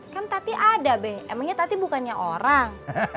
kan tadi ada be emangnya tadi bukannya orang